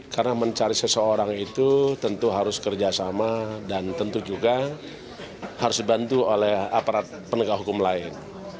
karena mencari seseorang itu tentu harus kerjasama dan tentu juga harus dibantu oleh aparat penegak hukum lain